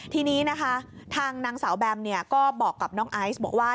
ทีนี้นะคะทางนางสาวแบมก็บอกกับน้องไอซ์บอกว่า